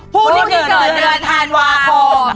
ผู้ที่เกิดเดือนธันวาคม